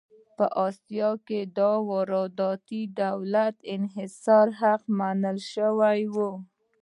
په اسیا کې دا واردات د دولت انحصاري حق منل شوي وو.